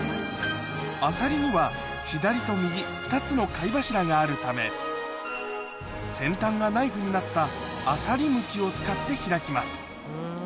あさりには左と右２つの貝柱があるため先端がナイフになったあさりむきを使って開きます